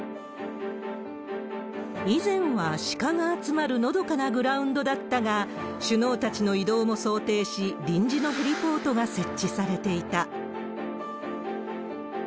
以前はシカが集まるのどかなグラウンドだったが、首脳たちの移動も想定し、臨時のヘリポートが設置されていた。